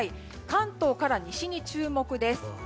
関東から西に注目です。